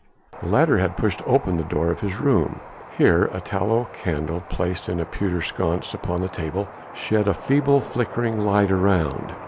The latter had pushed open the door of his room. Here a tallow candle placed in a pewter sconce upon a table shed a feeble, flickering light around.